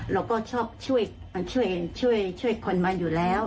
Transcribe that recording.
เราก็ชอบช่วยคนมาอยู่แล้ว